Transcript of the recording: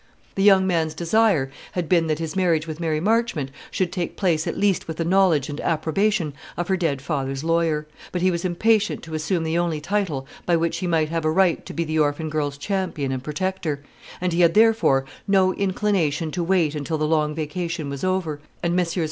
The young man's desire had been that his marriage with Mary Marchmont should take place at least with the knowledge and approbation of her dead father's lawyer: but he was impatient to assume the only title by which he might have a right to be the orphan girl's champion and protector; and he had therefore no inclination to wait until the long vacation was over, and Messrs.